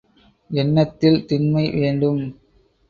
எண்ணத்தில் திண்மை வேண்டும்.